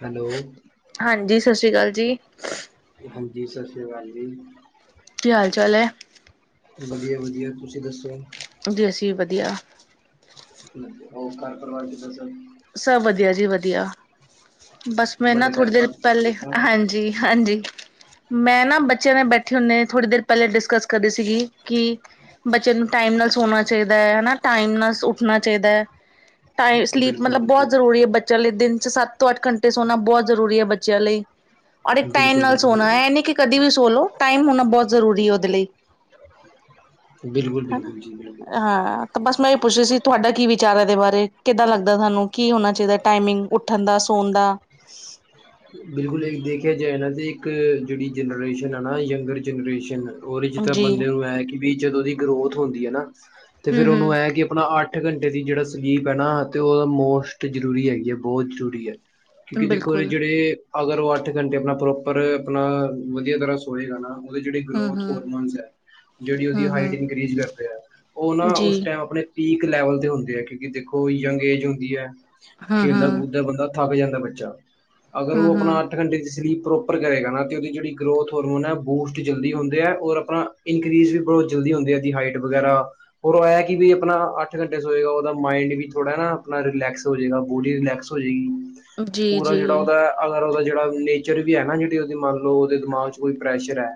Hello. ਹਾਂਜੀ ਸਤਿ ਸ਼੍ਰੀ ਅਕਾਲ ਜੀ। ਜੀ- ਜੀ ਸਤਿ ਸ਼੍ਰੀ ਅਕਾਲ ਜੀ। ਕੀ ਹਾਲ ਚਾਲ ਹੈ ਵਧੀਆ- ਵਧੀਆ ਤੁਸੀਂ ਦੱਸੋ ਜੀ? ਜੀ ਅਸੀਂ ਵੀ ਵਧੀਆ। ਉਹ ਘਰ ਪਰਵਾਰ ਕਿਦਾ ਸਬ? ਸਭ ਵਧੀਆ ਜੀ ਵਧੀਆ। ਬਸ ਮੈਂ ਨਾ ਬੜੇ ਥੋੜੀ ਟਾਈਮ ਦੇਰ ਬਾਅਦ ਫੋਨ ਪਹਿਲੇ, ਕੀਤਾ ਹਾਂਜੀ- ਹਾਂਜੀ। ਮੈਂ ਨਾ ਬੱਚਿਆਂ ਨਾਲ ਬੈਠੇ ਹੁੰਨੇ ਥੋੜ੍ਹੀ ਦੇਰ ਪਹਿਲੇ ਡਿਸਕਸ ਕਰਦੀ ਸੀਗੀ ਕਿ ਬੱਚੇ ਨੂੰ ਟਾਈਮ ਨਾਲ ਸੋਣਾ ਚਾਹੀਦਾ ਹੈ ਹਨਾ ਟਾਈਮ ਨਾਲ ਉੱਠਣਾ ਚਾਹੀਦਾ ਹੈ ਟਾਈਮ ਸਲੀਪ ਬਿਲਕੁਲ ਮਤਲਬ ਬਿਲਕੁਲ ਬਹੁਤ ਜ਼ਰੂਰੀ ਬੱਚਿਆਂ ਲਈ ਦਿਨ ਚ ਸੱਤ ਤੋਂ ਅੱਠ ਘੰਟੇ ਸੋਣਾ ਬਹੁਤ ਜ਼ਰੂਰੀ ਹੈ ਬੱਚਿਆਂ ਲਈ ਔਰ ਟਾਈਮ ਬਿਲਕੁਲ ਨਾਲ ਜੀ ਸੋਣਾ ਬਿਲਕੁਲ ਹੈ ਇਹ ਨਹੀਂ ਕਿ ਕਦੇ ਵੀ ਸੋ ਲੋ ਟਾਈਮ ਹੋਣਾ ਬਹੁਤ ਜ਼ਰੂਰੀ ਹੈ ਉਹਦੇ ਲਈ ਬਿਲਕੁਲ ਹਨਾ ਬਿਲਕੁਲ ਜੀ ਬਿਲਕੁਲ ਹਾਂ ਤਾਂ ਬਸ ਮੈਂ ਇਹ ਪੁੱਛਿਆ ਸੀ ਤੁਹਾਡਾ ਕੀ ਵਿਚਾਰ ਹੈ ਇਹਦੇ ਬਾਰੇ ਕਿੱਦਾਂ ਲੱਗਦਾ ਤੁਹਾਨੂੰ ਕੀ ਹੋਣਾ ਚਾਹੀਦਾ ਟਾਈਮਿੰਗ ਉੱਠਣ ਦਾ ਸੋਣ ਦਾ ਬਿਲਕੁਲ ਇਹ ਦੇਖਿਆ ਜਾਏ ਇਹਨਾਂ ਦੀ ਇੱਕ ਜਿਹੜੀ ਜਨਰੇਸ਼ਨ ਹੈ ਨਾ ਯੰਗਰ ਜਨਰੇਸ਼ਨ ਉਹ ਜਿਸ ਤਰ੍ਹਾਂ ਜੀ ਬੰਦੇ ਨੂੰ ਇਹ ਕਿ ਵੀ ਜਦੋਂ ਉਹਦੀ ਗਰੋਥ ਹੁੰਦੀ ਹੈ ਨਾ ਤੇ ਫੇਿਰ ਉਹਨੂੰ ਇਹ ਹਮ-ਹਮ ਕਿ ਆਪਣਾ ਅੱਠ ਅੱਠ ਘੰਟੇ ਦੀ ਜਿਹੜਾ ਸਲੀਪ ਹੈ ਨਾ ਤੇ ਉਹ ਮੋਸਟ ਜਰੂਰੀ ਹੈਗੀ ਹੈ ਬਹੁਤ ਜ਼ਰੂਰੀ ਹੈ ਕਿਉਂਕਿ ਦੇਖੋ ਬਿਲਕੁਲ ਜਿਹੜੇ ਅਗਰ ਉਹ ਅੱਠ ਘੰਟੇ ਆਪਣਾ ਪ੍ਰੋਪਰ ਆਪਣਾ ਵਧੀਆ ਤਰ੍ਹਾਂ ਸੋਏਗਾ ਨਾ ਉਹਦੇ ਜਿਹੜੇ ਗਰੋਥ ਹਮ-ਹਮ ਹੋਰਮੋਨ ਹੈ ਜਿਹੜੀ ਉਹਦੀ ਹਾਈਟ ਹਮ-ਹਮ ਇਨਕਰੀੀਜ਼ ਕਰ ਰਿਹਾ ਹੈ ਉਹ ਨਾ ਉਸ ਜੀ ਟਾਈਮ ਆਪਣੇ ਪੀਕ ਲੈਵਲ ਤੇ ਹੁੰਦੇ ਹੈ ਕਿਉਂਕਿ ਦੇਖੋ ਯੰਗ ਏਜ ਹੁੰਦੀ ਹੈ ਖੇਲਦਾ ਹਮ-ਹਮ ਕੂਦਦਾ ਬੰਦਾ ਥੱਕ ਜਾਂਦਾ ਬੱਚਾ ਅਗਰ ਉਹ ਆਪਣਾ ਅੱਠ ਹਮ-ਹਮ ਘੰਟੇ ਦੀ ਸਲੀਪ ਪ੍ਰੋਪਰ ਕਰੇਗਾ ਨਾ ਤੇ ਉਹਦੀ ਜਿਹੜੀ ਗਰੋਥ ਹਰਮੋਨ ਹੈ ਉਹ ਬੂਸਟ ਜਲਦੀ ਹੁੰਦੇ ਹੈ ਔਰ ਆਪਣਾ ਇਨਕਰੀਜ਼ ਵੀ ਬਹੁਤ ਜਲਦੀ ਹੁੰਦੀ ਆ ਜੀ ਹਾਈਟ ਵਗੈਰਾ ਰ ਉਹ ਇਹ ਹੈ ਕਿ ਵੀ ਆਪਣਾ ਅੱਠ ਘੰਟੇ ਸ ਹੋਏਗਾ ਉਹਦਾ ਮਾਇੰਡ ਵੀ ਥੋੜਾ ਨਾ ਆਪਣਾ ਰਿਲੈਕਸ ਹੋ ਜਾਵੇਗਾ ਬੋਡੀ ਰਿਲੈਕਸ ਹੋ ਜਾਏਗੀ ਪੂਰਾ ਜੀ-ਜੀ ਜਿਹੜਾ ਉਹਦਾ ਅਗਰ ਉਹਦਾਿਹੜਾ ਨੇਚਰ ਵੀ ਹੈ ਨਾ ਜਿਹੜ ਉਹਦੀ ਮੰਨ ਲਓ ਉਹਦੇ ਦਿਮਾਗ 'ਚਈ ਪ੍ਰੈਸ਼ਰ ਹੈ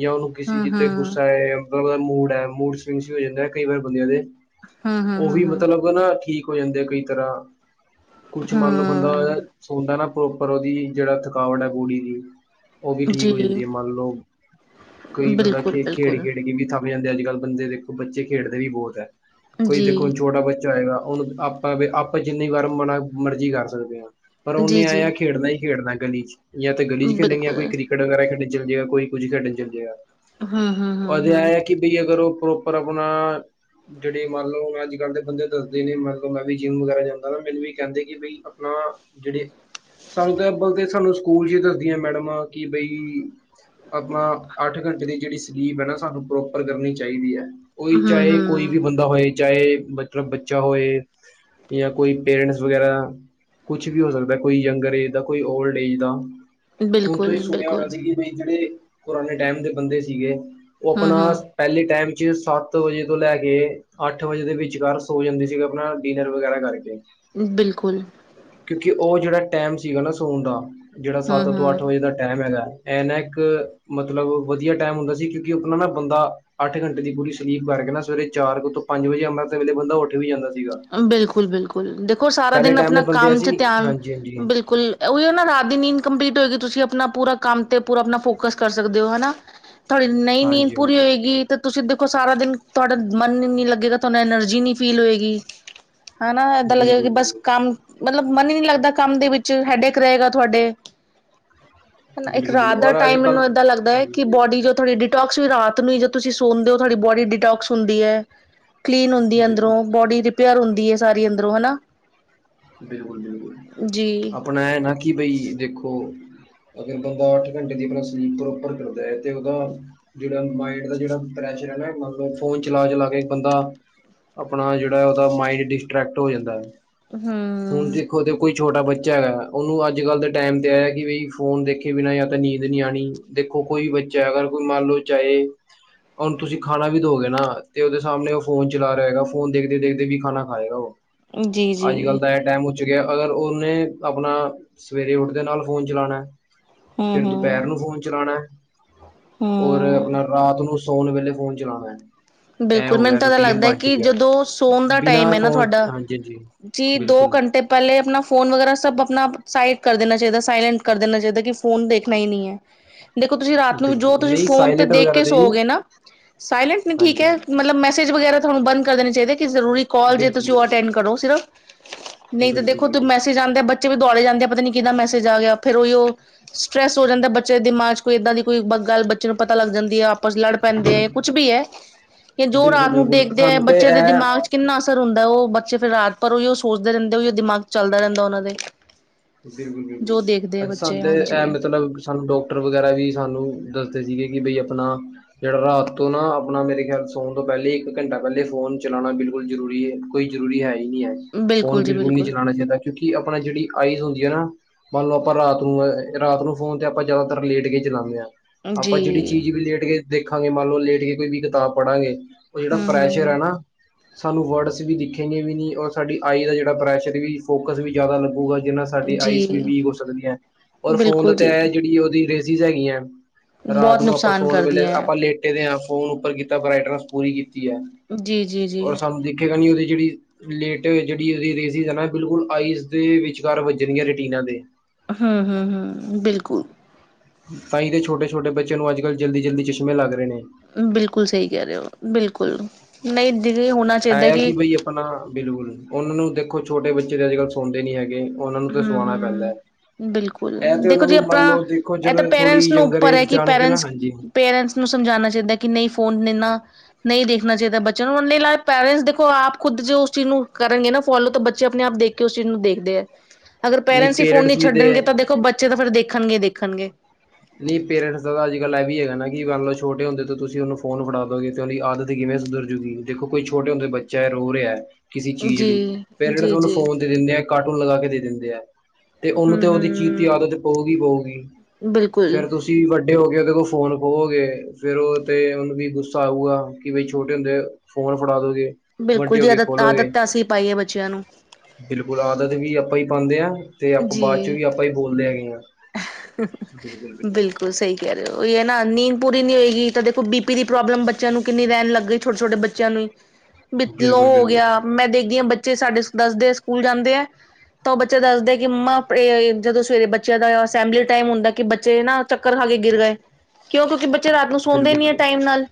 ਜਾਂ ਉਹਨੂੰ ਕਿਸੇ ਜਿੱ ਤੇ ਹਮ-ਹਮ ਗੁੱਸਾ ਹੈਦਾ ਮੂਡ ਹੈ ਮੂਡ ਸਵਿੰਗ ਹੋ ਜਾਂਦਾ ਕਈ ਵਾਰ ਬੰਦਿਆਂ ਦੇ ਉਹ ਵੀ ਹਮ-ਹਮ-ਹਮ-ਹਮ ਮਤਲਬ ਨਾ ਠੀਕ ਹੋ ਜਾਂਦੇ ਆ ਕਈ ਤਰ੍ਹਾਂ ਕੁਛ ਮੰਨ ਲਓ ਬੰਦਾ ਹਮ ਸੋਂਦਾ ਨਾ ਪ੍ਰੋਪਰ ਉਹਦੀ ਜਿਹੜਾ ਥਕਾਵਟ ਹੈ ਬੋਡੀ ਦੀ ਉਹ ਵੀ ਠੀਕ ਹੋ ਜੀ ਜਾਂਦੀ ਹੈ ਮੰਨ ਲਓ ਕਈ ਬੰਦਾ ਖੇਡ ਖੇਡ ਬਿਲਕੁਲ-ਬਿਲਕੁਲ ਕੇ ਵੀ ਥੱਕ ਜਾਂਦੇ ਅੱਜ ਕੱਲ੍ਹ ਬੰਦੇ ਦੇਖੋ ਬੱਚੇ ਖੇਡਦੇ ਵੀ ਬਹੁਤ ਹੈ ਕੋਈ ਦੇਖੋ ਜੀ ਹੁਣ ਛੋਟਾ ਬੱਚਾ ਹੋਏਗਾ ਉਹੂੰ ਆਪਾਂ ਵੀ ਆਪਾਂ ਜਿੰਨੀ ਵਾਰ ਵਾਲਾ ਮਰਜ਼ੀ ਕਰ ਸਕਦੇ ਹਾਂ ਪਰ ਉਨੇ ਆਆ ਜੀ-ਜੀ ਖੇਡਣਾ ਹੀ ਖੇਡਣਾ ਗਲੀ ਚ ਜਾਂ ਤਾਂ ਗਲੀ ਚ ਖੇਡਣਗੀਆਂ ਬਿਲਕੁਲ ਕੋਈ ਕ੍ਰਿਕਟ ਵਗੈਰਾ ਖੇਡਣ ਚੱਲ ਜਾਏਗਾ ਕੋਈ ਕੁਝ ਖੇਡਣ ਚੱਲ ਜਾਏਗਾ ਅਦੇ ਹਮ-ਹਮ-ਹਮ-ਹਮ ਹੈ ਕਿ ਬਈ ਅਗਰ ਉਹ ਪ੍ਰੋਪਰ ਆਪਣਾ ਜਿਹੜੇ ਮੰਨ ਲਓ ਅੱਜ ਕੱਲ੍ਹ ਦੇ ਬੰਦੇ ਦੱਸਦੇ ਨੇ ਮੰਨ ਲਓ ਮੈਂ ਵੀ ਜਿੰਮ ਵਗੈਰਾ ਜਾਂਦਾ ਮੈਨੂੰ ਵੀ ਕਹਿੰਦੇ ਕਿ ਬਈ ਆਪਣਾ ਜਿਹੜੇ ਸਾਨੂੰ ਤਾਂ ਐ ਬਲ ਸਾਨੂੰ ਸਕੂਲ ਚ ਹੀ ਦੱਸਦੀਆਂ ਮੈਡਮਾਂ ਕਿ ਬਈ ਆਪਣਾ ਅੱਠ ਘੰਟੇ ਦੀ ਜਿਹੜੀ ਸਲੀਪ ਹੈ ਨਾ ਸਾਨੂੰ ਪ੍ਰੋਪਰ ਕਰਨੀ ਚਾਹੀਦੀ ਹੈ ਔਈ ਚਾਏ ਕੋਈ ਵੀ ਹਮ-ਹਮ ਬੰਦਾ ਹੋਏ ਚਾਏ ਮਤਲਬ ਬੱਚਾ ਹੋਏ। ਯਾ ਕੋਈ ਪੇਰੇੰਟਸ ਵਗੈਰਾ ਕੁਛ ਵੀ ਹੋ ਸਕਦੈ। ਕੋਈ ਯੰਗਰ ਏਜ ਦਾ ਕੋਈ ਓਲਡ ਏਜ ਦਾ। ਹੁਣ ਤੁਸੀਂ ਸੁਣਿਆ ਹੋਣਾ ਬਿਲਕੁਲ-ਬਿਲਕੁਲ ਸੀ ਕਿ ਬਈ ਜੇੜੇ ਪੁਰਾਣੇ ਟੈਮ ਦੇ ਬੰਦੇ ਸੀਗੇ ਓਹ ਅਪਣਾ ਹਮ-ਹਮ ਪੈਲੇ ਟਾਈਮ 'ਚ ਸੱਤ ਵਜੇ ਤੋਂ ਲੈ ਕੇ ਅੱਠ ਵਜੇ ਦੇ ਵਿਚਕਾਰ ਸੋ ਜਾਂਦੇ ਸੀਗੇ ਅਪਣਾ ਡਿਨਰ ਵਗੈਰਾ ਕਰਕੇ। ਬਿਲਕੁਲ। ਕਿਉਂਕਿ ਔ ਜੇੜਾ ਟੈਮ ਸੀਗਾ ਨਾ ਸੋਣ ਦਾ ਜੇੜਾ ਸੱਤ ਤੋਂ ਹੂੰ-ਹੂੰ, ਅੱਠ ਵਜੇ ਦਾ ਟੈਮ ਹੈਗੈ। ਐਨਾ ਏਕ ਮਤਲਬ ਵਧੀਆ ਟੈਮ ਹੁੰਦਾ ਸੀ, ਕਿਉਂਕਿ ਓਹ ਅਪਣਾਂ ਨਾ ਬੰਦਾ ਅੱਠ ਘੰਟੇ ਦੀ ਪੂਰੀ ਸਲੀਪ ਕਰਕੇ ਨਾ ਸਵੇਰੇ ਚਾਰ ਕੋ ਤੋਂ ਪੰਜ ਵਜੇ ਅੰਮ੍ਰਿਤ ਵੇਲੇ ਬੰਦਾ ਓਠ ਵੀ ਜਾਂਦਾ ਸੀ। ਬਿਲਕੁਲ ਬਿਲਕੁਲ, ਦੇਖੋ ਸਾਰਾ ਪਹਿਲੇ ਦਿਨ ਟਾਈਮ ਦੇ ਅਪਣਾ ਬੰਦੇ ਕੰਮ ਅਸੀਂ ਚ ਧਿਆਨ ਹਾਂਜੀ ਹਾਂਜੀ ਬਿਲਕੁਲ ਐ ਓਈਓ ਨਾ ਰਾਤ ਦੀ ਨੀੰਦ ਕਪਲੀਟ ਹੋਏਗੀ, ਤੁਸੀਂ ਅਪਣਾ ਪੂਰਾ ਕੰਮ ਤੇ ਪੂਰਾ ਅਪਣਾ ਫੋਕਸ ਕਰ ਸਕਦੇ ਹੋ ਹਨਾ। ਥੋਡੀ ਨਈ ਨੀਂਦ ਹਾਂਜੀ ਪੂਰੀ ਹਾਂਜੀ ਹੋਏਗੀ ਤੇ ਤੁਸੀਂ ਦੇਖੋ ਸਾਰਾ ਦਿਨ ਤੁਆਡਾ ਮਨ ਈ ਨੀ ਲੱਗੇਗਾ ਤੁਆਨੂੰ ਐਨਰਜੀ ਨੀ ਫੀਲ ਹੋਏਗੀ। ਹੈਨਾ ਏਦਾਂ ਲੱਗੇਗਾ ਕਿ ਬਿਲਕੁਲ ਬੱਸ ਬਿਲਕੁਲ ਕੰਮ ਮਤਲਬ ਮਨ ਈ ਨੀ ਲੱਗਦਾ ਕੰਮ ਦੇ ਵਿੱਚ ਹੈਡੇਕ ਰਹੇਗਾ ਤੁਹਾਡੇ। ਹੈਨਾ ਇੱਕ ਬਿਲਕੁਲ ਰਾਤ ਬਿਲਕੁਲ ਦਾ ਔਰ ਅੱਜ ਟਾਈਮ ਮੈਨੂੰ ਕੱਲ ਐਦਾਂ ਲੱਗਦਾ ਏ ਕਿ ਬੋਡੀ ਜੋ ਥੋੜੀ ਡੀ ਡੀਟੋਕਸ ਵੀ ਰਾਤ ਨੂੰ ਜਦ ਤੁਸੀਂ ਸੋੰਦੇ ਹੋ ਥੋਡੀ ਬੋਡੀ ਡੀਟੋਕਸ ਹੁੰਦੀ ਐ। ਕਲੀਨ ਹੁੰਦੀ ਐ ਬਿਲਕੁਲ ਅੰਦਰੋਂ ਬੋਡੀ ਰਿਪੇਅਰ ਹੁੰਦੀ ਏ ਸਾਰੀ ਅੰਦਰੋਂ ਹੈਨਾ। ਬਿਲਕੁਲ-ਬਿਲਕੁਲ, ਆਪਾ ਆਪਣਾ ਐ ਨਾ ਕਿ ਬਈ ਦੇਖੋ ਅਗਰ ਬੰਦਾ ਅੱਠ ਘੰਟੇ ਦੀ ਆਪਣਾ ਸਲੀਪ ਪ੍ਰੋਪਰ ਕਰਦੈ ਤੇ ਓਦਾ ਜੇੜਾ ਮਾਈੰਡ ਦਾ ਜੇੜਾ ਪ੍ਰੈਸ਼ਰ ਐ ਨਾ ਮਤਲਬ ਫੋਨ ਚਲਾ-ਚਲਾ ਕੇ ਬੰਦਾ ਅਪਣਾ ਜੇੜਾ ਓਦਾ ਮਾਇੰਡ ਡਿਸਟਰੈਕਟ ਹੋ ਜਾਂਦੈ। ਹੂੰ। ਹੁਣ ਦੇਖੋ ਤੇ ਕੋਈ ਛੋਟਾ ਬੱਚਾ ਹੈਗੈ ਓਨੂੰ ਅੱਜ-ਕੱਲ ਦੇ ਟੈਮ ਤੇ ਐ ਆਕਿ ਬਈ ਫੋਨ ਦੇਖੇ ਬਿਨਾਂ ਯਾ ਤਾਂ ਨੀਂਦ ਨੀ ਆਣੀ ਦੇਖੋ ਕੋਈ ਬੱਚਾ ਹੈਗਾ ਅਗਰ ਕੋਈ ਮੰਨ ਲੋ ਚਾਹੇ ਔਣ ਤੁਸੀਂ ਖਾਣਾ ਵੀ ਦੋਗੇ ਨਾ ਤੇ ਓਹਦੇ ਸਾਹਮਣੇ ਓਹ ਫੋਨ ਚਲਾ ਰਿਆ ਹੋਏਗਾ ਫੋਨ ਦੇਖਦੇ-ਦੇਖਦੇ ਵੀ ਖਾਣਾ ਖਾਏਗਾ ਓ। ਜੀ-ਜੀ। ਐ ਟੈਮ ਉੱਚ ਗਿਆ ਅਗਰ ਓਨੇ ਅਪਣਾ ਸਵੇਰੇ ਉਠਦੇ ਨਾਲ ਫੋਨ ਚਲਾਣੈ। ਹਮ ਫੇਰ ਦੁਪੈਰ ਹਮ ਨੂੰ ਫੋਨ ਚਲਾਣੈ ਔਰ ਹਮ ਅਪਣਾ ਰਾਤ ਨੂੰ ਸੋਨ ਵੇਲੇ ਫੋਨ ਚਲਾਣੈ। ਬਿਲਕੁਲ ਮੈਨੂੰ ਤਾਂ ਐਦਾ ਲੱਗਦੈ ਕਿ ਜਦੋਂ ਸੋਨ ਦਾ ਬਿਨਾਂ ਟਾਈਮ ਏ ਨਾ ਫੋਨ ਤੁਆਡਾ ਹਾਂਜੀ ਹਾਂਜੀ ਜੀ ਦੋ ਬਿਲਕੁਲ ਘੰਟੇ ਪੈਲੇ ਅਪਣਾ ਫੋਨ ਵਗੈਰਾ ਸਭ ਅਪਣਾ ਸਾਈਡ ਕਰ ਦੇਣਾ ਚਾਈਦੈ ਸਾਈਲੈਂਟ ਕਰ ਦੇਣਾ ਚਾਈਦੈ ਕਿ ਫੋਨ ਦੇਖਣਾ ਈ ਨਈ ਐ। ਦੇਖੋ ਤੁਸੀਂ ਰਾਤ ਨੂੰ ਵੀ ਜੋ ਬਿਲਕੁਲ ਤੁਸੀਂ ਨਹੀਂ ਫੋਨ ਤੇ ਸਾਇਲੈਂਟ ਦੇਖ ਵਗੈਰਾ ਕੇ ਜੀ ਸੋਓਗੇ ਨਾ ਸਾਇਲੈਂਟ ਵੀ ਠੀਕ ਹਾਂਜੀ ਐ। ਹਾਂਜੀ ਮਤਲਬ ਮੈੇਸੀਜ ਵਗੈਰਾ ਤੁਹਾਨੂੰ ਬੰਦ ਕਰ ਦੇਣੇ ਚਾਈਦੇ ਕਿ ਜਰੂਰੀ ਕੋਲ ਜੇ ਬਿਲਕੁਲ ਤੁਸੀਂ ਬਿਲਕੁਲ ਓਅਟਡ ਕਰੋ ਸਿਰਫ ਨਈ ਤੇ ਬਿਲਕੁਲ ਦੇਖੋ ਤੂੰ ਬਿਲਕੁਲ ਮੈਸੇਜ ਆਂਦੇ ਬੱ ਚੇ ਵੀ ਦੁਆਲੇ ਜਾਂਦੇ ਆ ਪਤਾ ਨੀ ਕੀਦਾ ਮੈਸੇਜ ਆ ਗਿਆ ਫੇਰ ਓਹੀਓ ਸਟਰ੍ਰੈਸ ਹੋ ਜਾਂਦਾ ਬੱਚੇ ਦੇ ਦਿਮਾਗ ਚ ਕੋਈ ਏਦਾਂ ਦੀ ਕੋਈ ਗੱਲ ਬੱਚੇ ਨੂੰ ਪਤਾ ਲੱਗ ਜਾਂਦੀ ਆ। ਆਪਸ ਲੜ ਪੈਂਦੇ ਆ ਕੁੱਛ ਬੀ ਐ ਜੋ ਬਿਲਕੁਲ ਰਾਤ ਨੂੰ ਬਿਲਕੁਲ, ਦੇਖਦੇ ਐ ਸਾਨੂੰ ਤੇ ਬੱਚੇ ਦੇ ਇਹ ਦਿਮਾਗ ਚ ਕਿੰਨਾ ਅਸਰ ਹੁੰਦਾ ਓ ਬੱਚੇ ਫੇਰ ਰਾਤ ਪਰ ਓਈਓ ਸੋਚਦੇ ਰੈੰਦੇ ਓਈਓ ਦਿਮਾਗ ਚੱਲਦੈ ਰੈੰਦਾ ਓਨਾਂ ਦੇ। ਜੋ ਦੇਖਦੇ ਆ [inaudible] ਬੱਚੇ ਹਾਂਜੀ ਸਾਨੂੰ ਡੋਕਟਰ ਵਗੈਰਾ ਵੀ ਸਾਨੂੰ ਦੱਸਦੇ ਸੀਗੇ ਕਿ ਬਈ ਅਪਣਾ ਜੇੜਾ ਰਾਤ ਤੋਂ ਨਾ ਅਪਣਾ ਮੇਰੇ ਖਿਆਲ ਸੋਣ ਤੋਂ ਪੈਲੇ ਈ ਇੱਕ ਘੰਟਾ ਪੈਲੇ ਫੋਨ ਚਲਾਣਾ ਬਿਲਕੁਲ ਜਰੂਰੀ ਏ। ਕੋਈ ਜ਼ਰੂਰੀ ਹੈ ਈ ਨੀ ਐ ਫੋਨ ਬਿਲਕੁਲ ਨੀ ਚਲਾਣਾ ਚਾਈਦਾ ਕਿਉਂਕਿ ਅਪਣਾ ਜੇੜੀ ਆਈ ਹੁੰਦੀਐ ਨਾ ਮੰਨ ਲੋ ਆਪਾਂ ਰਾਤ ਨੂੰ ਅਏ ਰਾਤ ਨੂੰ ਫੋਨ ਤੇ ਆਪਾਂ ਜਿਆਦਾਤਰ ਲੇਟ ਕੇ ਚਲਾਣੇ ਆਂ। ਜੀ ਆਪਾਂ ਜੇੜੀ ਚੀਜ਼ ਵੀ ਲੇਟ ਕੇ ਦੇਖਾਂਗੇ ਮੰਨ ਲੋ ਲੇਟ ਕੇ ਕੋਈ ਵੀ ਕਿਤਾਬ ਪੜਾਂਗੇ ਓ ਜੇੜਾ ਹਮ ਪ੍ਰੈਸ਼ਰ ਐ ਨਾ ਹਮ ਸਾਨੂੰ ਵਰਡਸ ਵੀ ਦਿਖੇਗੇ ਵੀ ਨੀ ਔਰ ਸਾਡੀ ਆਈ ਦਾ ਜੇੜਾ ਪ੍ਰੈਸ਼ਰ ਵੀ ਫੋਕਸ ਵੀ ਜਿਆਦਾ ਲੱਗੂਗਾ। ਜੀਦੇ ਨਾ ਸਾਡੀ ਆਈਸ ਵੀ ਜੀ ਵੀਕ ਹੋ ਸਕਦੀ ਐ ਔਰ ਫੋਨ ਦਾ ਬਿਲਕੁਲ ਤਾਂ ਜੀ ਐ ਜੇੜੀ ਓਦੀ ਰੇਸਿਜ ਹੈਗੀਐ ਰਾਤ ਬਹੁਤ ਨੂੰ ਆਪਾਂ ਨੁਕਸਾਨ ਸੋਣ ਕਰਦੀ ਵੇਲੇ ਹੈ ਆਪਾਂ ਲੇਟ ਫੋਨ ਉੱਪਰ ਕੀਤਾ ਬਰੈਟਨਸ ਪੂਰੀ ਕੀਤੀ ਐ ਜੀ ਜੀ ਜੀ ਔਰ ਸਾਨੂੰ ਤੇ ਓਹਦੀ ਜੇੜੀ ਲੇਟ ਜੇੜੀ ਉਹਦੀ ਰੇਸਸ ਐਨਾ ਬਿਲਕੁਲ ਆਈਸ ਦੇ ਵਿੱਚ ਵੱਜਣਗੀਆਂ ਰੈਟੀਨਾਂ ਦੇ। ਹੂੰ, ਹੂੰ, ਹੂੰ ਬਿਲਕੁਲ। ਤਾਂਈ ਤੇ ਛੋਟੇ-ਛੋਟੇ ਬੱਚੇਆਂ ਨੂੰ ਅੱਜਕੱਲ੍ਹ ਜਲਦੀ-ਜਲਦੀ ਚਸ਼ਮੇ ਲੱਗ ਰਏ ਨੇ। ਬਿਲਕੁਲ ਸਹੀ ਕੈ ਰਹੇ ਹੋ ਬਿਲਕੁਲ ਨਈ ਦੇ ਓਨਾ ਹੈ ਆ ਕਿ, ਬਈ ਆਪਣਾ ਬਿਲਕੁਲ, ਉਹਨਾਂ ਨੂੰ ਦੇਖੋ ਛੋਟੇ ਬੱਚੇ ਦੇ ਅੱਜ -ਕੱਲ੍ਹ ਸੌਦੇ ਨੀ ਹੈਗੇ ਉਹਨਾਂ ਨੂੰ ਤੇ, ਸਵਾਣਾ ਪੈਂਦਾ ਹੂੰ-ਹੂੰ ਬਿਲਕੁਲ ਇਹ ਤੇ ਦੇਖੋ ਉਹਨਾਂ ਜੀ, ਨੂੰ ਮੰਨ ਆਪਣਾ ਲਓ ਦੇਖੋ ਇਹ ਤਾਂ ਜਦੋਂ ਥੋੜੀ ਪੇਰੈਂਟਸ ਨੂੰ ਯੰਗਰ ਉੱਪਰ ਹੈ ਏਜ ਕਿ, ਜਾਣਗੇ ਨਾ ਪੇਰੈਂਟਸ, ਹਾਂਜੀ - ਪੇਰੈਂਟਸ ਉਨੂੰ ਸਮਝਾਉਣਾ ਚਾਹੀਦਾ ਕਿ, ਨਹੀਂ ਫੋਨ ਦੇਣਾ ਨਹੀਂ ਦੇਖਣਾ ਚਾਹੀਦਾ ਬੱਚਿਆਂ ਨੂੰ, ਨਹੀਂ ਪੈਰੈਂਟਸ ਦੇਖੋ ਆਪ ਖੁਦ, ਜੇ ਉਸ ਚੀਜ਼ ਨੂੰ ਕਰਨਗੇ ਨਾ ਫੋਲੋ, ਤਾਂ ਬੱਚੇ ਆਪਣੇ ਆਪ ਦੇਖ ਕਿ ਉਸ ਚੀਜ਼ ਨੂੰ ਦੇਖਦੇ ਹੈ, ਅਗਰ ਨਹੀਂ ਪੇਰੈਂਟਸ ਹੀ ਫੋਨ ਨਹੀਂ ਵੀ ਤੇ ਛੱਡਣਗੇ ਤਾਂ, ਦੇਖੋ ਬੱਚੇ ਤਾਂ ਫਿਰ ਦੇਖਣਗੇ- ਦੇਖਣਗੇ ਨਹੀਂ ਪੇਰੈਂਟਸ ਦਾ ਤਾਂ, ਅੱਜ -ਕੱਲ ਇਹ ਵੀ ਹੈਗਾ ਨਾ ਕਿ, ਮੰਨ ਲਓ ਛੋਟੇ ਹੁੰਦੇ ਤੇ ਤੁਸੀਂ ਉਹਨੂੰ ਫੋਨ ਫੜਾ ਦੋਗੇ, ਤੇ ਉਹਦੀ ਆਦਤ ਕਿਵੇਂ ਸੁਧਰ ਜੁਗੀ, ਦੇਖੋ ਕੋਈ ਛੋਟੇ ਹੁੰਦੇ ਬੱਚਾ ਹੈ ਰੋ ਰਿਹਾ ਕਿਸੇ ਚੀਜ਼ ਲਈ, ਜੀ, ਪੇਰੈਂਟਸ ਜੀ, ਉਨੂੰ ਜੀ। ਫੋਨ ਦਿੰਦੇ ਆ ਕਾਰਟੂਨ ਲਗਾ ਕੇ ਦੇ ਦਿੰਦੇ ਹੈ, ਤੇ ਉਹਨੂੰ ਤੇ ਉਹਦੀ ਚੀਜ ਦੀ ਹੂੰ-ਹੂੰ ਆਦਤ ਪਊਗੀ ਹੀ ਪਊਗੀ ਬਿਲਕੁਲ। ਫੇਰ ਤੁਸੀਂ ਵੱਡੇ ਹੋ ਕੇ, ਉਹਦੇ ਕੋਲ ਫੋਨ ਖੋਵੋਗੇ ਫੇਰ, ਉਹ ਤੇ ਉਹਨੂੰ ਵੀ ਗੁੱਸਾ ਆਊਗਾ ਕਿ, ਬਈ ਛੋਟੇ ਹੁੰਦੇ ਫੋਨ ਫੜਾ ਦੋਗੇ ਬਿਲਕੁਲ ਵੱਡੇ ਹੋ ਜੀ, ਕੇ ਆਦਤ ਖੋਲੋਗੇ -ਆਦਤ ਅਸੀਂ ਪਾਈ ਹੈ ਬੱਚਿਆਂ ਨੂੰ, ਬਿਲਕੁਲ, ਆਦਤ ਵੀ ਆਪਾਂ ਹੀ ਪਾਉਂਦੇ ਹਾਂ। ਤੇ ਆਪ ਬਾਅਦ ਚ ਜੀ। ਵੀ, ਆਪਾਂ ਹੀ ਬੋਲਦੇ ਹੈਗੇ ਆ, ਬਿਲਕੁਲ- ਬਿਲਕੁਲ ਉਹੀ ਹੈ ਨਾ, ਨੀਂਦ ਪੂਰੀ ਨੀ ਹੋਏਗੀ ਤਾਂ ਦੇਖੋ ਬੀ ਪੀ, ਦੀ ਪ੍ਰੋਬਲਮ ਬੱਚਿਆਂ ਨੂੰ ਕਿੰਨੀ ਰਹਿਣ ਲੱਗ, ਗਈ ਛੋਟੇ- ਛੋਟੇ ਬੱਚਿਆਂ ਨੂੰ ਈ [inaudible] [inaudible] ਬੀ ਲੋੋ ਬਿਲਕੁਲ ਬਿਲਕੁਲ ਹੋ ਬਿਲਕੁਲ ਗਿਆ, ਮੈਂ ਦੇਖਦੀ ਹਾਂ ਬੱਚੇ ਸਾਡੇ ਦੱਸਦੇ ਸਕੂਲ ਜਾਂਦੇ ਆ, ਤਾਂ ਉਹ ਬੱਚੇ ਦੱਸਦੇ ਕਿ ਮੰਮਾ, ਆਪਣੇ ਜਦੋਂ ਸਵੇਰੇ ਬੱਚਿਆਂ ਦਾ ਅਸੈਂਬਲੀ ਟਾਈਮ ਹੁੰਦਾ ਕਿ, ਬੱਚੇ ਨਾ ਚੱਕਰ ਖਾ ਕੇ ਗਿਰ ਗਏ, ਕਿਉਂ- ਕਿਉਂਕਿ ਬੱਚੇ ਰਾਤ ਨੂੰ ਸੌਂਦੇ ਬਿਲਕੁਲ ਨਈ ਟਾਈਮ ਨਾਲ,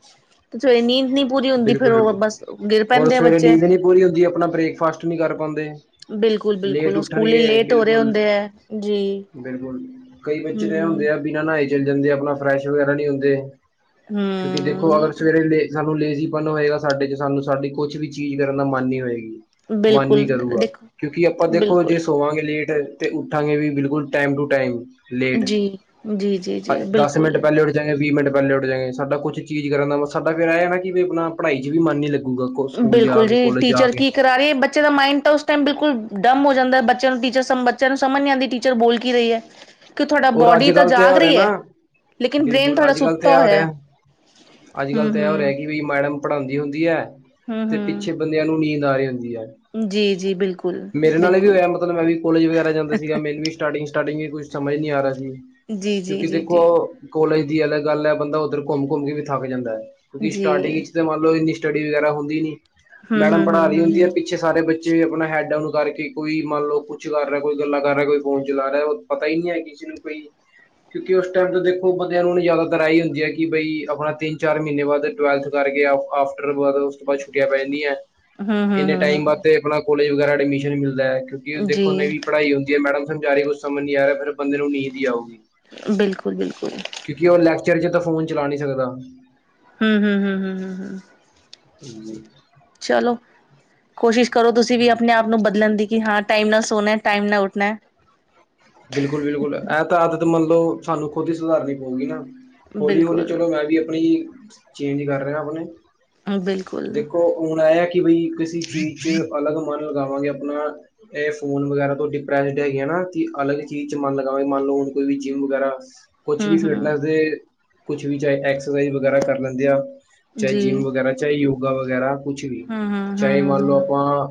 ਤੇ ਸਵੇਰੇ ਨੀਂਦ ਨੀਂਦ ਨਈ ਪੂਰੀ ਹੁੰਦੀ ਬਿਲਕੁਲ ਉਹ ਬਸ ਗਿਰ ਪੈਂਦੇ ਆ ਬੱਚੇ ਓਹੀ ਹੁੰਦੀ, ਆਪਣਾ ਬ੍ਰੇਕਫਾਸਟ ਨਹੀਂ ਕਰ ਪਾਉਂਦੇ ਬਿਲਕੁਲ ਲੇਟ ਬਿਲਕੁਲ ਉਹ ਸਕੂਲ ਹੀ ਉੱਠਣਗੇ, ਲੇਟ ਹੋ ਰਹੇ ਬਿਲਕੁਲ ਹੁੰਦੇ ਹੈ ਜੀ -ਬਿਲਕੁਲ 'ਕਈ ਬੱਚੇ ਤਾਂ ਇਹ ਹਮ ਹੁੰਦੇ ਆ ਬਿਨਾਂ ਨਹਾਏ ਚਲੇ ਜਾਂਦੇ, ਆਪਣਾ ਫਰੈਸ਼ ਵਗੈਰਾ ਨਹੀਂ ਹੁੰਦੇ ਕਿਉਂਕਿ, ਦੇਖੋ ਅਗਰ ਹਮ ਸਵੇਰੇ ਸਾਨੂੰ ਲੇਜ਼ੀਪਨ ਹੋਏਗਾ, ਸਾਡੇ ਚ ਸਾਨੂੰ ਸਾਡੀ ਕੁਛ ਵੀ, ਚੀਜ਼ ਕਰਨ ਦਾ ਮਨ ਨ ਹੋਏਗੀ ਮਨ ਨੀ ਬਿਲਕੁਲ ਕਰੂਗਾ, ਦੇਖੋ ਕਿਉਂਕਿ, ਆਪਾਂ ਦੇਖੋ ਬਿਲਕੁਲ ਜੇ ਸੋਵਾਂਗੇ ਲੇਟ ਤੇ ਉੱਠਾਂਗੇ ਵੀ ਬਿਲਕੁਲ, ਟਾਈਮ ਟੂ ਟਾਈਮ ਲੇਟ ਜੀ ਜੀ ਜੀ ਜੀ ਦਸ ਬਿਲਕੁਲ ਮਿੰਟ ਪਹਿਲੇ ਜਾਂਗੇ ਵੀਹ ਮਿੰਟ ਪਹਿਲੇ ਉੱਠ ਜਾਏਗੇ, ਸਾਡਾ ਕੁਛ ਚੀਜ਼ ਕਰਨ ਦਾ ਸਾਡਾ ਫਿਰ, ਇਹ ਹੈ ਨਾ ਵੀ ਆਪਣਾ ਪੜਾਈ ਚ, ਵੀ ਮਨ ਨੀ ਲੱਗਾ ਹੋਊਗਾ, ਕ ਸਕੂਲ ਜਾ ਬਿਲਕੁਲ ਕੇ ਜੀ ਕੋਲਜ ਜਾ ਟੀਚਰ ਕੇ ਕੀ ਕਰਾ ਰ ਬੱਚੇ ਦਾ ਮਾਈੰਡ ਤਾਂ, ਉਸ ਟਾਈਮ ਬਿਲਕੁਲ ਡਮ ਹੋ ਜਾਂਦਾ, ਬੱਚੇ ਨੂੰ ਟੀਚਰ ਬੱਚੇ ਨੂੰ ਸਮਝ ਨਹੀਂ ਆਂਦੀ ਟੀ ਟੀਚਰ ਬੋਲ ਕੀ ਰਹੀ ਐ ਕਿ ਤੁਹਾਡਾ, ਔਰ ਬੋਡੀ ਅੱਜ ਤਾਂ ਕੱਲ੍ਹ ਤੇ ਇਹ ਜਾਗ ਹੋ ਰਿਹਾ ਰਹੀ ਨਾ ਹੈਲੇਕਿਨ, ਬ੍ਰੇਨ ਬਿਲਕੁਲ ਤੁਹਾਡਾ ਅੱਜ ਕੱਲ੍ਹ ਤੇ ਇਹ ਸੁੱਤਾ ਹੋ ਹੋਇਆ ਰਿਹਾ ਅੱਜ ਹਮ -ਕੱਲ੍ਹ ਤਾਂ ਇਹ ਹੋ ਰਿਹਾ ਹਮ ਕਿ, ਵੀ ਮੈਡਮ ਪੜ੍ਹਾਉਂਦੀ ਹੁੰਦੀ ਹੈ! ਹਮ ਅਤੇ ਪਿੱਛੇ ਹਮ ਬੰਦਿਆਂ ਨੂੰ ਨੀਂਦ ਆ ਰਹੀ ਹੁੰਦੀ ਹੈ ਜੀ ਜੀ ਬਿਲਕੁਲ ਮੇਰੇ ਨਾਲ ਵੀ ਬਿਲਕੁਲ ਹੋਇਆ, ਮਤਲਬ ਮੈਂ ਵੀ ਕੋਲੇਜ ਵਗੈਰਾ, ਜਾਂਦਾ ਸੀਗਾ ਮੈਨੂੰ ਵੀ ਸਟਾਰਟਿੰਗ- ਸਟਾਰਟਿੰਗ ਵੀ ਕੁਛ ਸਮਝ ਨਹੀਂ ਆ ਰਿਹਾ ਸੀ। ਜੀ ਜੀ ਕਿਉਂਕਿ ਜੀ ਦੇਖੋ ਜੀ ਕੋਲੇਜ ਦੀ ਅਲੱਗ ਗੱਲ ਹੈ, ਬੰਦਾ ਉੱਧਰ ਘੁੰਮ -ਘੁੰਮ ਕੇ ਵੀ ਥੱਕ ਜਾਂਦਾ ਹੈ ਕਿਉਂਕਿ, ਸਟਾਰਟਿੰਗ ਜੀ ਵਿੱਚ ਮੰਨ ਲਓ, ਇੰਨੀ ਸਟੱਡੀ ਵਗੈਰਾ ਹੁੰਦੀ ਨਈ, ਹਮ ਮੈਡਮ ਹਮ ਪੜ੍ਹਾ ਹਮ ਰਹੀ ਹਮ ਹੁੰਦੀ ਹੈ ਹਮ ਪਿੱਛੇ ਸਾਰੇ ਬੱਚੇ ਆਪਣਾ, ਹੈਡ ਡਾਊਨ ਕਰਕੇ ਕੋਈ ਮੰਨ ਲਓ, ਕੁੱਛ ਕਰ ਰਿਹਾ, ਕੋਈ ਗੱਲਾਂ ਕਰ ਰਿਹਾ, ਕੋਈ ਫੋਨ ਚਲਾ ਰਿਹਾ ਪਈ ਨਈ ਹੈ ਕਿਸੀ ਨੂੰ ਪਈ ਕਿਉਂਕਿ, ਉਸ ਟਾਈਮ ਤੇ ਦੇਖੋ ਬੰਦਿਆਂ ਨੂੰ, ਜ਼ਿਆਦਾਤਰ ਆਹੀ ਹੁੰਦੀ ਹੈ ਕਿ, ਬਈ ਆਪਣਾ ਤਿੰਨ- ਚਾਰ ਮਹੀਨੇ ਬਾਅਦ ਟਵੈਲਥ ਕਰਕੇ, ਆਫਟਰ ਉਸ ਤੋਂ ਬਾਅਦ ਛੁੱਟੀਆਂ ਪੈ ਜਾਂਦੀਆਂ, ਹਮ ਹਮ ਇੰਨੇ ਹਮ ਟਾਈਮ ਵਸਤੇ ਹਮ ਆਪਣਾ ਕੋਲੇਜ ਵਗੈਰਾ, ਐਡਮਿਸ਼ਨ ਨਹੀਂ ਮਿਲਦਾ, ਕਿਉਂਕਿ, ਦੇਖੋ ਜੀ ਨਵੀ ਪੜ੍ਹਾਈ ਹੁੰਦੀ ਹੈ, ਰਹੀ ਮੈਡਮ ਸਮਝਾ ਰਹੀ ਕੁੱਝ ਸਮਝ ਨਹੀਂ ਆ ਰਿਹਾ ਫਿਰ ਬੰਦੇ ਨੂੰ, ਨੀਂਦ ਹੀ ਆਉਗੀ ਬਿਲਕੁਲ-ਬਿਲਕੁਲ ਕਿਉਂਕਿ, ਉਹ ਲੈਕਚਰ 'ਚ ਤਾਂ ਫੋਨ ਚਲਾ ਨਹੀਂ ਸਕਦਾ। ਹੂ, ਹੂ, ਹੂ, ਹੂ, ਹੂ। ਹਮ। ਚਲੋ, ਕੋਸ਼ਿਸ਼ ਕਰੋ। ਤੁਸੀਂ ਵੀ ਆਪਣੇ ਆਪ ਨੂੰ ਬਦਲਣ ਦੀ। ਕਿ ਹਾਂ 'ਟਾਈਮ' ਨਾ ਸੋਣਾ ਟਾਈਮ ਨਾ ਉਠਣਾ ਹ। ਬਿਲਕੁਲ-ਬਿਲਕੁਲ ਇਹ ਤਾ ਆਦਤ ਮੰਨਲੋ ਸਾਨੂੰ ਖੁਦ ਹੀ ਸੁਧਾਰਨੀ ਪਊਗੀ ਨਾ। ਹੌਲੀ-ਹੌਲੀ ਬਿਲਕੁਲ, ਚਲੋ ਮੈਂ ਵੀ ਆਪਣੀ ਚੇਂਜ ਕਰ ਰਿਹਾ ਆਪਣੇ। ਬਿਲਕੁਲ ਦੇਖੋ, ਹੁਣ ਆ ਆ ਕਿ ਬਾਈ। ਕਿਸੇ ਚੀਜ਼ ਚ ਅਲੱਗ ਮਨ ਲਗਾਵਾਂਗੇ। ਆਪਣਾ ਇਹ ਫੋਨ ਵਗੈਰਾ ਤੋਂ ਡਿਪਰੈਸਡ ਹੈਗੇ ਆ ਨਾ। ਅਲੱਗ ਹੀ ਚੀਜ਼ ਚ ਮਨ ਲਗਾਵੇ ਮੰਨ ਲਓ ਕੋਈ ਵੀ ਜਿੰਮ ਵਗੈਰਾ ਕੁਛ ਹੂੰ, ਵੀ ਫਟਨੈ ਹੂੰ ਦੇ। ਕੁਛ ਵੀ ਚਾਹੇ ਐਕਸਰਸਾਈਜ਼ ਵਗੈਰਾ ਕਰ ਲੈਂਦੇ ਆ। ਚਾਹੇ ਜੀ ਜਿੰਮ ਵਗੈਰਾ ਚਾਹੇ ਯੋਗਾ ਵਗੈਰਾ। ਕੁਛ ਵੀ ਹੂੰ, ਹੂੰ, ਹੂੰ, ਚਾਹੇ ਹੂੰ, ਮੰਨ ਲਓ। ਹੂੰ ਆਪਾਂ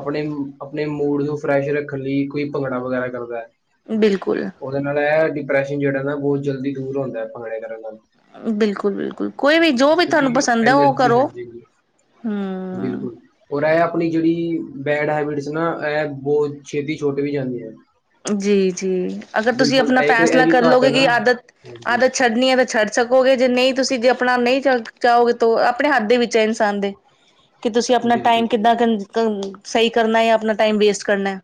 ਆਪਣੇ-ਆਪਣੇ ਮੂਡ ਨੂੰ ਫਰੈਸ਼ ਰੱਖਣ ਲਈ ਕੋਈ ਭੰਗੜਾ ਵਗੈਰਾ। ਕਰਦਾ ਹ। ਬਿਲਕੁਲ। ਉਹਦੇ ਨਾਲ ਇਹ ਡਿਪਰੈਸ਼ਨ ਜਿਹੜਾ ਨਾ ਬਹੁਤ ਜਲਦੀ ਦੂਰ ਹੁੰਦਾ ਭੰੜੇ ਕਰਨ ਨਾਲ। ਬਿਲਕੁਲ-ਬਿਲਕੁਲ ਕੋਈ ਵੀ ਜੋ ਵੀ ਤੁਹਾਨੂੰ ਕਿਉਂਕਿ ਪਸੰਦ ਹੈ। ਉਹ ਐਨਰਜੀ ਕਰੋ ਹਾਂਜੀ ਹਮ। ਬਿਲਕੁਲ। ਔਰ ਇਹ ਆਪਣੀ ਜਿਹੜੀ ਬੈਡ ਹੈਬਿਟਸ ਨਾ ਇਹ ਬਹੁਤ ਛੇਤੀ ਛੁਟ ਵੀ ਜਾਂਦੀ ਹੈ। ਜੀ-ਜੀ ਅਗਰ ਤੁਸੀਂ ਬਿਲਕੁਲ ਆਪਣਾ ਇਹ ਇੱਕ ਫੈਸਲਾ ਇਹ ਵੀ ਕਰ ਘਾਤ ਲਓਗੇ ਹੈ ਨਾ ਕਿ ਆਦਤ ਹਾਂਜੀ ਆਦਤ ਛੱਡਣੀ ਹੈ। ਤਾਂ ਛੱਡ। ਸਕੋਗੇ, ਜੇ ਨਹੀਂ ਤੁਸੀਂ ਜੇ ਆਪਣਾ ਨਹੀਂ ਚ ਚਾਹੋਗੇ ਤਾਂ ਆਪਣੇ ਹੱਥ ਦੇ ਵਿੱਚ ਹੈ। ਇਨਸਾਨ ਦੇ। ਕਿ ਤੁਸੀਂ ਆਪਣਾ ਟਾਈਮ ਬਿਲਕੁਲ ਕਿੱਦਾਂ ਬਿਲਕੁਲ ਸਹੀ ਕਰਨਾ ਜਾਂ ਆਪਣਾ ਟਾਈਮ ਵੇਸਟ ਕਰਨਾ ਹੈ।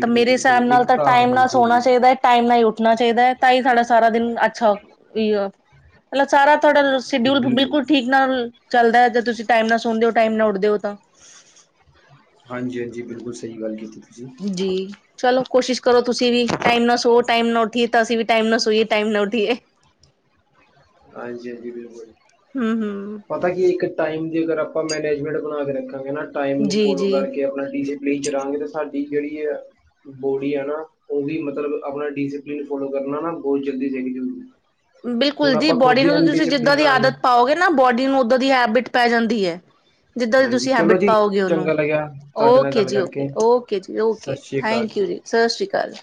ਤਾਂ, ਮੇਰੇ ਹਿਸਾਬ ਬਿਲਕੁਲ ਨਾਲ ਇੱਕ ਤਾਂ ਟਾਈਮ ਨਾਲ ਹਾਂਜੀ ਸੋਣਾ ਹਾਂਜੀ ਚਾਹੀਦਾ ਹੈ। ਟਾਈਮ ਨਾਲ ਉੱਠਣਾ ਚਾਹੀਦਾ ਹੈ। ਤਾਂਹੀ ਸਾਡਾ ਸਾਰਾ ਦਿਨ ਅੱਛਾ ਮਤਲਬ, ਸਾਰਾ ਤੁਹਾਡਾ ਸ਼ਡਿਊਲ ਬਿਲਕੁਲ ਠੀਕ ਨਾਲ ਚੱਲਦਾ, ਜੇ ਤੁਸੀਂ ਟਾਈਮ ਨਾਲ ਸੁਣਦੇ ਹੋ, ਟਾਈਮ ਨਾਲ ਉਠਦੇ ਹੋ ਤਾਂ। ਹਾਂਜੀ-ਹਾਂਜੀ ਬਿਲਕੁਲ ਸਹੀ ਗੱਲ ਕੀਤੀ ਤੁਸੀ। ਜੀ। ਚਲੋ ਕੋਸ਼ਿਸ਼ ਕਰੋ। ਤੁਸੀਂ ਵੀ ਟਾਈਮ ਨਾਲ ਸੋੋ ਟਾਈਮ ਨਾ ਉੱਠੀਏ ਤਾਂ ਅਸੀਂ ਵੀ ਟਾਈਮ ਨਾ ਸੋਈਏ ਟਾਈਮ ਉਠੀਏ। - [unintelligible] ਹਾਂਜੀ-ਹਾਂਜੀ ਬਿਲਕੁਲ ਪਰ ਹਮ ਪਤਾ, ਕਿ ਇੱਕ ਟਾਈਮ ਦੀ ਅਗਰ ਆਪਾਂ ਮੈਨੇਜਮੈਂਟ ਬਣਾ ਕੇ ਰੱਖਾਂਗੇ ਨਾ ਟਾਈਮ ਨੂੰ ਜੀ ਫੋਲੋ ਜੀ ਕਰਕੇ ਆਪਣਾ ਲੀਚ ਰੰਗ ਤੇ ਸਾਡੀ ਜਿਹੜੀ ਹੈ। ਬੋਡੀ ਹੈ। ਨਾ ਉਹ ਵੀ ਮਤਲਬ ਆਪਣਾ ਡਿਸਪਲਿਨ ਫੋਲੋ ਕਰਨਾ ਨਾ ਬਹੁਤ ਜਲਦੀ ਸਿੱਖ ਜੂਗੀ। ਬਿਲਕੁਲ ਹੁਣ ਜੀ, ਆਪਾਂ ਖੁਦ ਬੋਡੀ ਹੀ ਨੂੰ ਤੁਸੀਂ ਜਿੱਦਾਂ ਅਨਡਿਸਿਪਲਿਨ ਦੀ ਰਹਾਂਗੇ ਆਦਤ ਪਾਓਗੇ ਨਾ ਬੋਡੀ ਨੂੰ ਓਦਾਂ ਦੀ ਹੈਬਿਟ ਪੈ ਜਾਂਦੀ ਹੈ। ਜਿੱਦਾਂ ਦੀ ਹਾਂਜੀ ਤੁਸੀਂ ਚਲੋ ਹੈਬਿਟ ਜੀ ਪਾਓਗੇ। ਉਹਨੂੰ ਚੰਗਾ ਲੱਗਿਆ ਤੁਹਾਡੇ ਨਾਲ ਓਕੇ ਗੱਲ ਜੀ ਓਕੇ ਕਰਕੇ ਓਕੇ ਜੀ ਸਤਿ okay Sri Akal thank you ਜੀ। ਸਤਿ ਸ਼੍ਰੀ ਅਕਾਲ ਜੀ।